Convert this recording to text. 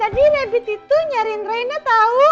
iya tadi rabbit itu nyariin reina tahu